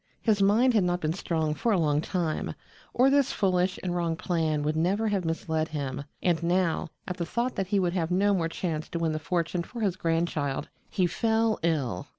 His mind had not been strong for a long time, or this foolish and wrong plan would never have misled him, and now, at the thought that he would have no more chance to win the fortune for his grandchild, he fell ill.